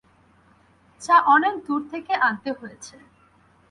চা অনেক দূর থেকে আনতে হয়েছে।